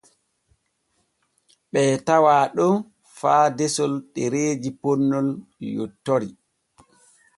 Ɓee tawaa ɗon faa desol ɗereeji ponnol yontori.